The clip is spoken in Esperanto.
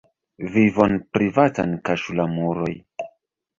Vivon privatan kaŝu la muroj.